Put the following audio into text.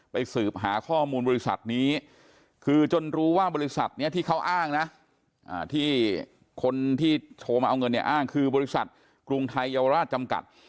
สืบหาข้อมูลบริษัทนี้คือจนรู้ว่าบริษัทนี้ที่เขาอ้างนะที่คนที่โชว์มาเอาเงินเนี่ยอ้างคือบริษัทกรุงไทยเยาวราชจำกัด